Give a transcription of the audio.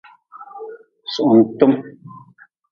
Suhuntm.